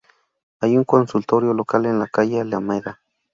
Hay un consultorio local en la calle Alameda.